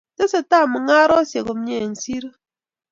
Tesetai mung'arosyek komie eng siro.